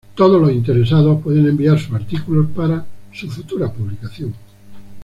Todos los interesados pueden enviar sus artículos para su futura publicación.